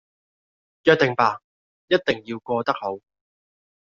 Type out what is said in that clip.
約定吧......一定要過得好